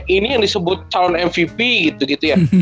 ini yang disebut calon mvp gitu gitu ya